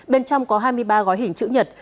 bên trong có hai mươi ba gói hình chữ nhật